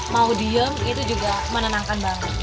mau diem itu juga menenangkan banget